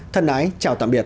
thân ái chào tạm biệt